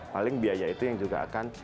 paling biaya itu yang juga akan